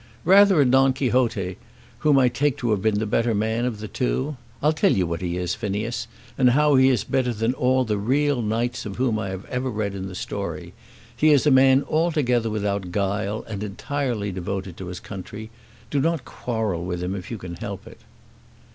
"Rather a Don Quixote, whom I take to have been the better man of the two. I'll tell you what he is, Phineas, and how he is better than all the real knights of whom I have ever read in story. He is a man altogether without guile, and entirely devoted to his country. Do not quarrel with him, if you can help it."